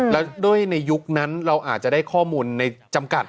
แล้วด้วยในยุคนั้นเราอาจจะได้ข้อมูลในจำกัด